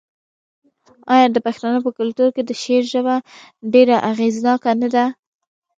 آیا د پښتنو په کلتور کې د شعر ژبه ډیره اغیزناکه نه ده؟